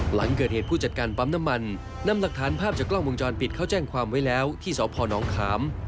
หลังเกิดเหตุผู้จัดการปั๊มน้ำมันนำหลักฐานภาพจากกล้องวงจรปิดเข้าแจ้งความไว้แล้วที่สพนขาม